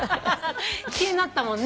気になったもんね？